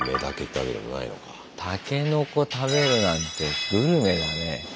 タケノコ食べるなんてグルメだね。